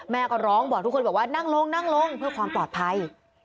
แม่ก็ร้องบอกทุกคนบอกว่านั่งลงนั่งลงเพื่อความปลอดภัย